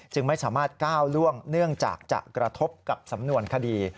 ไม่สามารถก้าวล่วงเนื่องจากจะกระทบกับสำนวนคดี